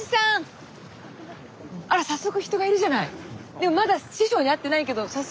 でもまだ師匠に会ってないけど早速。